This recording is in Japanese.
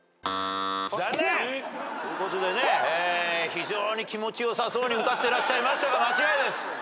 非常に気持ち良さそうに歌ってらっしゃいましたが間違いです。